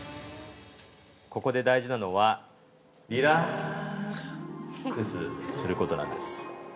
◆ここで大事なのはリラックスすることなんです。